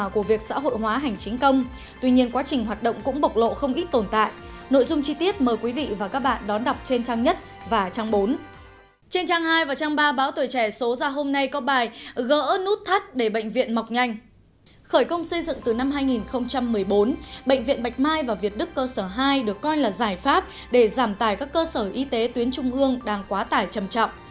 khởi công xây dựng từ năm hai nghìn một mươi bốn bệnh viện bạch mai và việt đức cơ sở hai được coi là giải pháp để giảm tài các cơ sở y tế tuyến trung ương đang quá tải chầm chậm